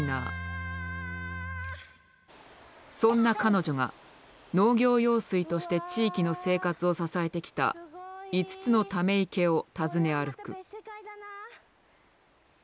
そんな彼女が農業用水として地域の生活を支えてきた５つのため池を訪ね歩く。